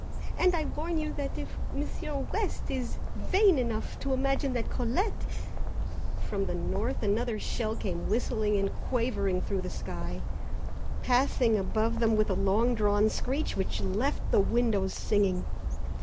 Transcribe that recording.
And I warn you that if Monsieur West is vain enough to imagine that Colette " From the north another shell came whistling and quavering through the sky, passing above them with long drawn screech which left the windows singing.